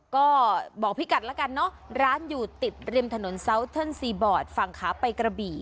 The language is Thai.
ก็บอกพี่กัดแล้วกันเนอะร้านอยู่ติดริมถนนซาวเทิร์นซีบอร์ดฝั่งขาไปกระบี่